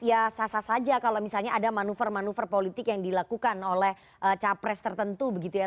ya sah sah saja kalau misalnya ada manuver manuver politik yang dilakukan oleh capres tertentu begitu ya